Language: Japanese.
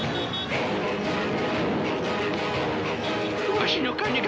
わしの金が！